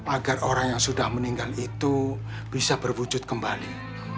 agar orang yang sudah meninggal itu bisa berwujud kembali